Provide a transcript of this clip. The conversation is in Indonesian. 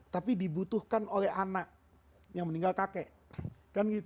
tapi dibutuhkan oleh anak yang meninggal kakek